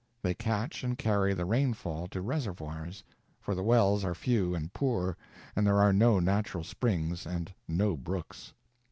They catch and carry the rainfall to reservoirs; for the wells are few and poor, and there are no natural springs and no brooks.